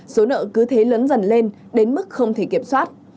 số nợ cứ thế lớn dần lên đến mức không thể kiểm soát